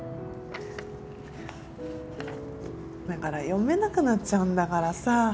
読めなくなっちゃうんだからさ。